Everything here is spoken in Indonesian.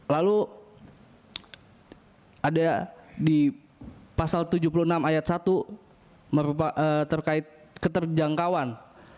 lalu ada di pasal tujuh puluh enam ayat satu terkait keterjangkauan